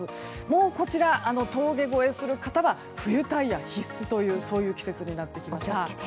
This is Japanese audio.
もう、峠越えする方は冬タイヤが必須という季節になってきました。